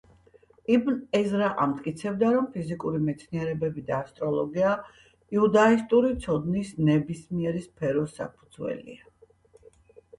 იბნ ეზრა ამტკიცებდა, რომ ფიზიკური მეცნიერებები და ასტროლოგია იუდაისტური ცოდნის ნებისმიერი სფეროს საფუძველია.